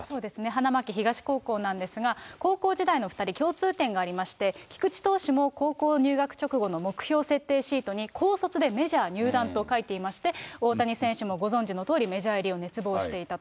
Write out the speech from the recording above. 花巻東高校なんですが、高校時代の２人、共通点がありまして、菊池投手も高校入学直後の目標設定シートに、高卒でメジャー入団と書いていまして、大谷選手もご存じのとおり、メジャー入りを熱望していたと。